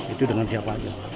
itu dengan siapa dia